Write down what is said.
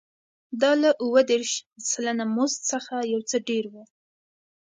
دا له اووه دېرش سلنه مزد څخه یو څه ډېر و